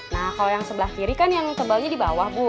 nah kalau yang sebelah kiri kan yang tebalnya di bawah bu